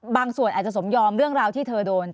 ส่วนอาจจะสมยอมเรื่องราวที่เธอโดน